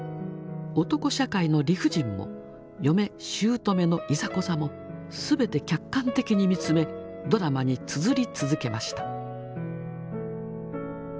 男社会の理不尽も嫁しゅうとめのいざこざも全て客観的に見つめドラマにつづり続けました。